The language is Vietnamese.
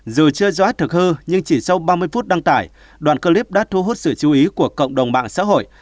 dù chưa rõ thực hư nhưng chỉ sau ba mươi phút đăng tải đoàn clip đã thu hút sự chú ý của cộng đồng mạng xã hội